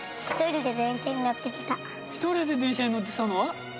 １人で電車に乗って来たの？